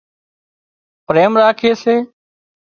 پريم راکي سي